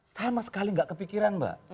sama sekali nggak kepikiran mbak